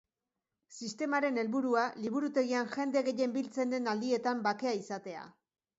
Sistemaren helburua Liburutegian jende gehien biltzen den aldietan bakea izatea.